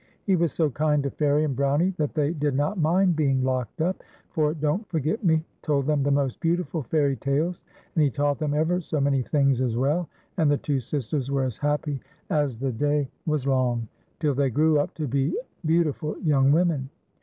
He was so kind to Fairie and Brownie that they did not mind being locked up, for Don't Forget Me told them the most beautiful fairy tales, and he taught them ever so many things as well, and the two sisters were as happy as the day FAtRlE AXD BKOU'Mi:. 191 was long, till they grew up to be beautiful young women.